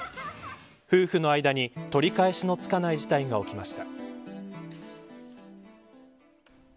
夫婦の間に取り返しのつかない事態が起きました。